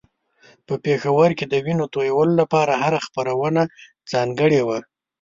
په پېښور کې د وينو تویولو لپاره هره خپرونه ځانګړې وه.